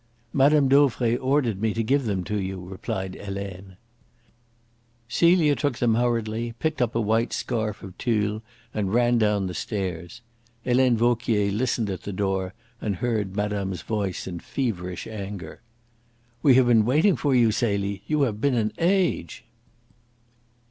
"Mme. Dauvray ordered me to give them to you," replied Helene. Celia took them hurriedly, picked up a white scarf of tulle, and ran down the stairs. Helene Vauquier listened at the door and heard madame's voice in feverish anger. "We have been waiting for you, Celie. You have been an age."